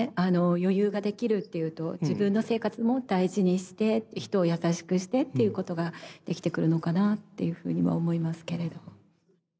余裕ができるっていうと自分の生活も大事にして人をやさしくしてっていうことができてくるのかなっていうふうには思いますけれど。